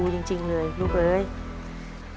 คุณยายแจ้วเลือกตอบจังหวัดนครราชสีมานะครับ